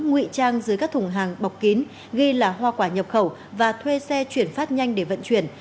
ngụy trang dưới các thùng hàng bọc kín ghi là hoa quả nhập khẩu và thuê xe chuyển phát nhanh để vận chuyển